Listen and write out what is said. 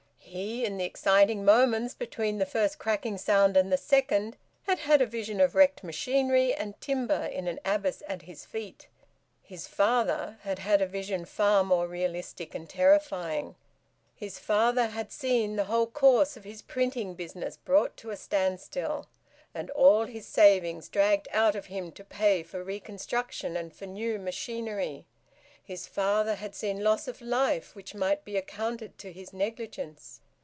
He, in the exciting moments between the first cracking sound and the second, had had a vision of wrecked machinery and timber in an abyss at his feet. His father had had a vision far more realistic and terrifying. His father had seen the whole course of his printing business brought to a standstill, and all his savings dragged out of him to pay for reconstruction and for new machinery. His father had seen loss of life which might be accounted to his negligence.